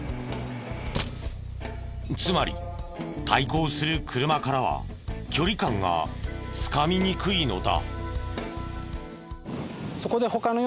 つまり対向する車からは距離感がつかみにくいのだ。